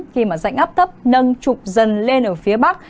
khi mà dạnh áp thấp nâng trục dần lên ở phía bắc